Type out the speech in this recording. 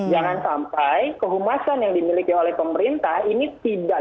jangan sampai kehumasan yang dimiliki oleh pemerintah ini tidak